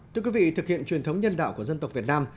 thưa quý vị thực hiện truyền thống nhân đạo của dân tộc việt nam